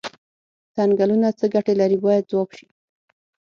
څنګلونه څه ګټې لري باید ځواب شي.